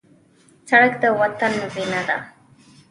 سړک د وطن وینه ده.